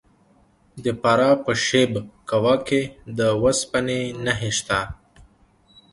د فراه په شیب کوه کې د وسپنې نښې شته.